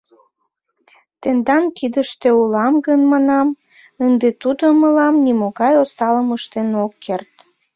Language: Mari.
— Тендан кидыште улам гын, — манам, — ынде тудо мылам нимогай осалым ыштен ок керт.